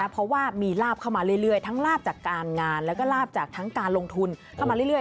เพราะว่ามีลาบเข้ามาเรื่อยทั้งลาบจากการงานแล้วก็ลาบจากทั้งการลงทุนเข้ามาเรื่อย